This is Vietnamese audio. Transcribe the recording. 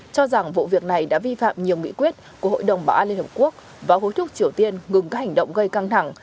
cho rằng vụ việc này đã vi phạm nhiều nghị quyết của hội đồng bảo an liên hợp quốc và hối thúc triều tiên ngừng các hành động gây căng thẳng